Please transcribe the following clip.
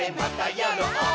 やろう！